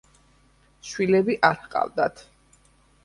შვილები არ ჰყავდათ.